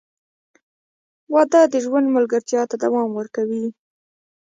• واده د ژوند ملګرتیا ته دوام ورکوي.